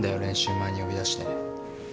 練習前に呼び出して。